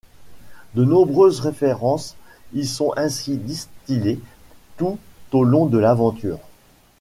De nombreuses références y sont ainsi distillées tout au long de l'aventure.